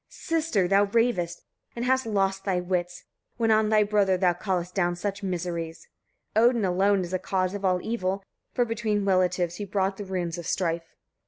Sister! thou ravest, and hast lost thy wits, when on thy brother thou callest down such miseries. Odin alone is cause of all the evil; for between relatives he brought the runes of strife.